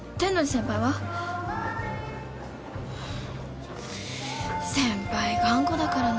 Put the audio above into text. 先輩頑固だからなあ。